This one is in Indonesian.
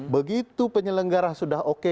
begitu penyelenggara sudah oke